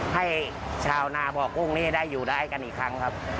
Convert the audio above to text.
ให้ชาวนาบ่อกุ้งนี้ได้อยู่ได้กันอีกครั้งครับ